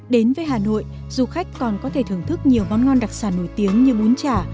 đến với hà nội du khách còn có thể thưởng thức nhiều món ngon đặc sản nổi tiếng như bún chả